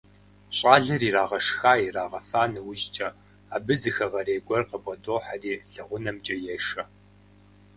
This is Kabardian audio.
ЩӀалэр ирагъэшха-ирагъэфа нэужькӀэ, абы зы хэгъэрей гуэр къыбгъэдохьэри лэгъунэмкӀэ ешэ.